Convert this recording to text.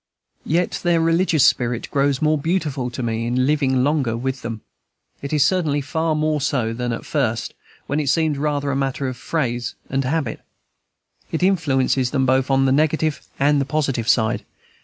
Yet their religious spirit grows more beautiful to me in living longer with them; it is certainly far more so than at first, when it seemed rather a matter of phrase and habit. It influences them both on the negative and the positive side.